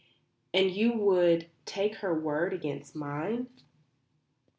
"And you would take her word against mine?"